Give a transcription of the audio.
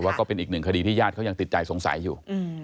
ก็เป็นอีกหนึ่งคดีที่ญาติเขายังติดใจสงสัยอยู่